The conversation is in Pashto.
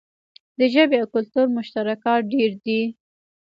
د ژبې او کلتور مشترکات ډیر دي.